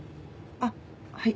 あっはい。